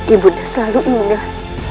ibunya selalu ingat